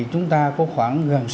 chúng ta có khoảng gần sáu mươi